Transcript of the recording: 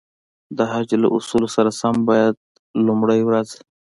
د حج له اصولو سره سم باید لومړی ورځ.